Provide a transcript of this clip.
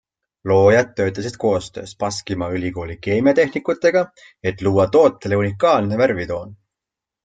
Loojad töötasid koostöös Baskimaa ülikooli keemiatehnikutega, et luua tootele unikaalne värvitoon.